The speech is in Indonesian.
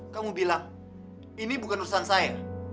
kamu bilang ini bukan urusan saya